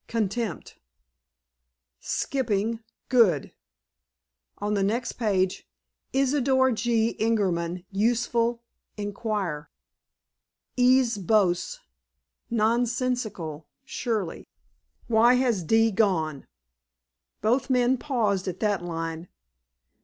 Contempt." "Skipping—good." On the next page: "Isidor G. Ingerman. Useful. Inquire." "E.'s boasts? Nonsensical, surely!" "Why has D. gone?"_ Both men paused at that line.